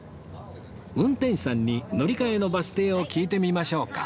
運転士さんに乗り換えのバス停を聞いてみましょうか